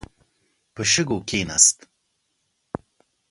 په شګو کې کښیناست.